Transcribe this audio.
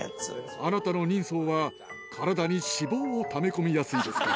あなたの人相は、体に脂肪をため込みやすいですから。